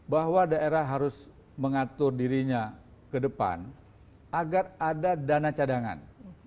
bahwa daerah harus mengatur dirinya ke depan agar ada dana cadangan